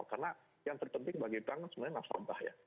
karena yang terpenting bagi bank itu sebenarnya nasabah ya